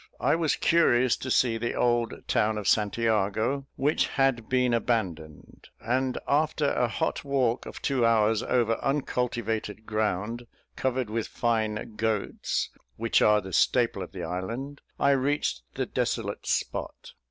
I was curious to see the old town of St Jago, which had been abandoned; and after a hot walk of two hours over uncultivated ground, covered with fine goats, which are the staple of the island, I reached the desolate spot.